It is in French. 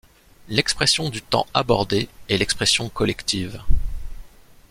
L'expression du temps abordée est l'expression collective.